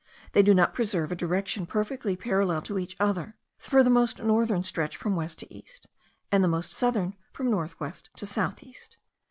They do not preserve a direction perfectly parallel to each other; for the most northern stretch from west to east, and the most southern from north west to south east.